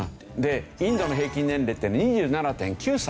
インドの平均年齢って２７．９歳。